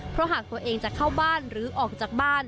เพราะหากตัวเองจะเข้าบ้านหรือออกจากบ้าน